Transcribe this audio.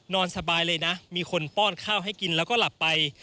นอนสบายเลยนะมีคนป้อนข้าวให้กินแล้วก็หลับไป